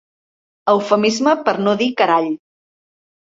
Eufemisme per no dir carall.